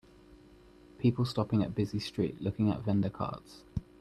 People stopping at busy street looking at vendor carts.